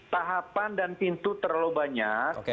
tahapan dan pintu terlalu banyak